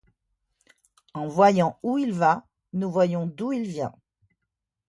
En voyant où il va, nous voyons d’où il vient.